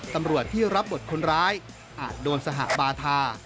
ตำรวจที่รับบทคนร้ายอาจโดนสหบาทา